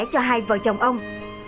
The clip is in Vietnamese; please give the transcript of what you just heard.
cho hai vợ chồng ông